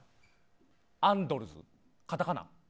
アンドルズ、カタカナ。